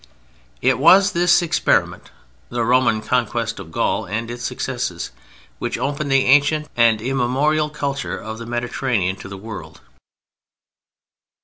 It was this experiment—the Roman Conquest of Gaul—and its success which opened the ancient and immemorial culture of the Mediterranean to the world.